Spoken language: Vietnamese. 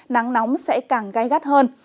nắng nóng sẽ càng gai gắt hơn